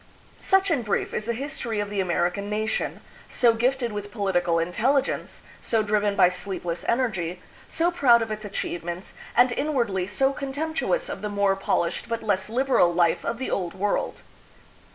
Such in brief is the history of the American nation, so gifted with political intelligence, so driven by sleepless energy, so proud of its achievements, and inwardly so contemptuous of the more polished but less liberal life of the Old World.